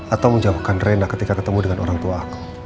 atau menjauhkan rena ketika ketemu dengan orangtuaku